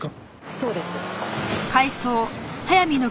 そうです。